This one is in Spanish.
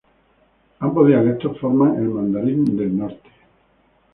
Ambos dialectos forman el Mandarín del Norte.